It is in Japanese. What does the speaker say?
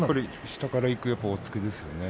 下からいく押っつけですよね。